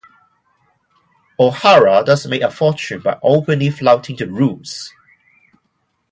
O'Hara thus made a fortune by openly flouting the "rules".